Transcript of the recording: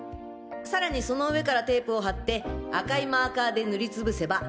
さらにその上からテープを貼って赤いマーカーで塗りつぶせば。